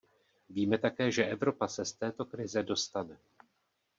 Víme také, že Evropa se z této krize dostane.